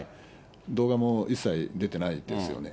動画も一切、出てないですよね。